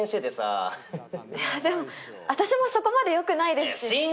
でも私もそこまでよくないですし。